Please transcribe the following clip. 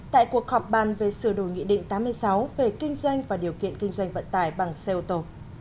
tại cuộc họp bàn về sửa đổi nghị định tám mươi sáu về kinh doanh và điều kiện kinh doanh vận tải bằng xe ô tô